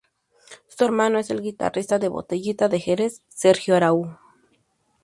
Su hermano es el guitarrista de Botellita de Jerez, Sergio Arau.